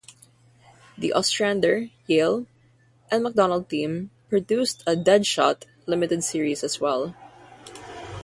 The Ostrander, Yale, and McDonnell team produced a "Deadshot" limited series as well.